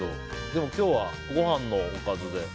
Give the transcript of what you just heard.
でも今日はご飯のおかずで。